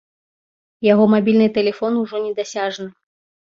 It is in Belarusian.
Яго мабільны тэлефон ужо недасяжны.